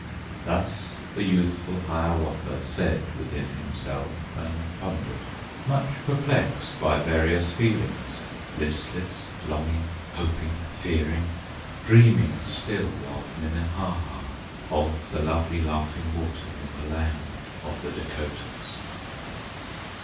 Thus the youthful Hiawatha Said within himself and pondered, Much perplexed by various feelings, Listless, longing, hoping, fearing, Dreaming still of Minnehaha, Of the lovely Laughing Water, In the land of the Dacotahs.